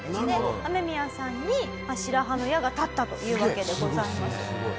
アメミヤさんに白羽の矢が立ったというわけでございます。